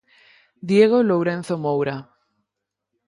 Diego Lourenzo Moura.